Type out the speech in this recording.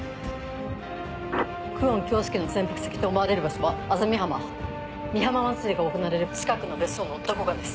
久遠京介の潜伏先と思われる場所は薊浜みはま祭りが行われる近くの別荘のどこかです。